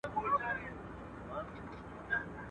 چوروندک ته هره ورځ راتلل عرضونه.